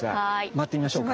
回ってみましょうか。